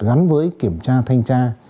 gắn với kiểm tra thanh tra